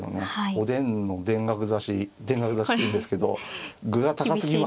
おでんの田楽刺し田楽刺しっていうんですけど具が高すぎますからね。